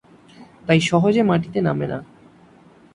তাই সহজে মাটিতে নামে না।